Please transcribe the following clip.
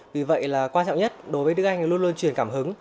vì vậy là quan trọng nhất đối với đức anh luôn luôn truyền cảm hứng